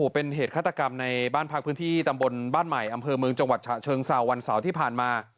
เป็นเหตุฆาตกรรมในบ้านพักพื้นที่ตำบลบ้านใหม่อำเภอเมืองจังหวัดฉะเชิงเศร้าวันเสาร์ที่ผ่านมา